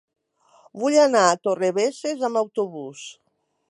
Vull anar a Torrebesses amb autobús.